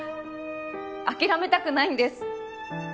諦めたくないんです。